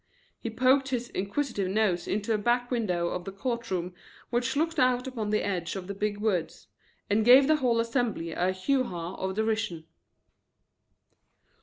He poked his inquisitive nose into a back window of the court room which looked out upon the edge of the big woods, and gave the whole assemblage a hew haw of derision.